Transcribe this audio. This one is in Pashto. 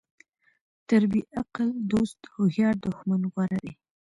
تر بیعقل دوست هوښیار دښمن غوره ده.